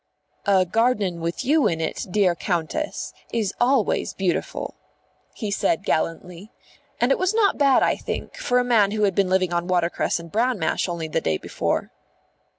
"A garden with you in it, dear Countess, is always beautiful," he said gallantly. And it was not bad, I think, for a man who had been living on watercress and bran mash only the day before.